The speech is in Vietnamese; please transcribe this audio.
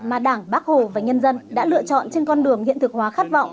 mà đảng bác hồ và nhân dân đã lựa chọn trên con đường hiện thực hóa khát vọng